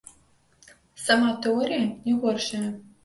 Сама тэорыя не горшая.